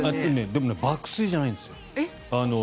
でも爆睡じゃないんですよ。